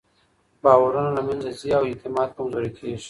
باورونه له منځه ځي او اعتماد کمزوری کېږي.